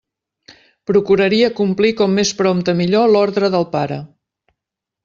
Procuraria complir com més prompte millor l'ordre del pare.